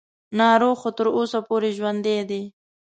ناروغ خو تر اوسه پورې ژوندی دی.